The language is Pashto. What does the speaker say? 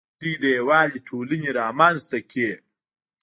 دوی د یووالي ټولنې رامنځته کړې